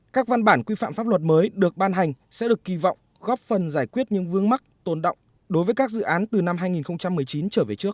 các văn bản quy phạm pháp luật mới được ban hành sẽ được kỳ vọng góp phần giải quyết những vương mắc tồn động đối với các dự án từ năm hai nghìn một mươi chín trở về trước